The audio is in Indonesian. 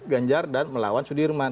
ganjar dan melawan sudirman